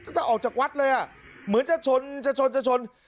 จะออกจากวัดเลยอ่ะเหมือนจะชนจะชนจะชน